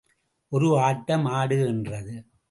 ஒரு ஆட்டம் ஆடு —என்றது.